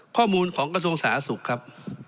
ข้อมูลของกระทรวงสาธารณสุขครับ